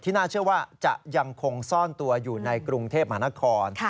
น่าเชื่อว่าจะยังคงซ่อนตัวอยู่ในกรุงเทพมหานคร